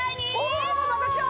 おおまた来た！